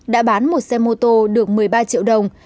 đã bán một xe mô tô được một mươi ba triệu đồng